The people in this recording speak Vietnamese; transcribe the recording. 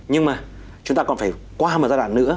nhưng mà chúng ta còn phải qua một giai đoạn nữa